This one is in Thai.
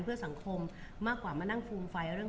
บุ๋มประดาษดาก็มีคนมาให้กำลังใจเยอะ